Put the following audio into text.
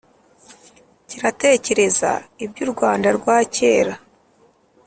kiratekereza iby’u rwanda rwa kera,